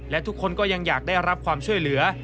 และทุกคนก็ยังอยากได้รับความช่วยเหลือ